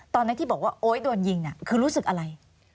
ตอนนั้นที่บอกว่าโอ๊ยโดนยิงคือรู้สึกอะไร